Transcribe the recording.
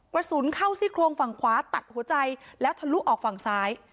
กระสุนเข้าซี่โครงฝั่งขวาตัดหัวใจแล้วทะลุออกฝั่งซ้าย